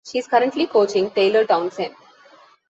She is currently coaching Taylor Townsend.